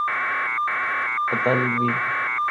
اطالوی